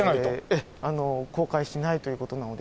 ええ公開しないという事なので。